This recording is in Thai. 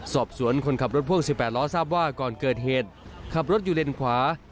สอบสวนคนขับรถพ่วง๑๘ล้อทราบว่าก่อนเกิดเหตุขับรถอยู่เลนขวา